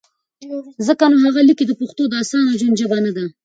ځکه نو هغه لیکي، چې پښتو د اسانه ژوند ژبه نه ده؛